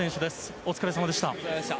お疲れさまでした。